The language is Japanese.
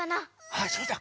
ああそうだ。